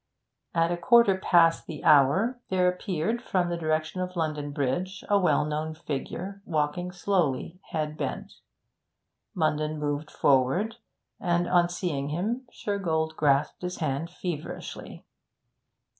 At a quarter past the hour there appeared from the direction of London Bridge a well known figure, walking slowly, head bent. Munden moved forward, and, on seeing him, Shergold grasped his hand feverishly.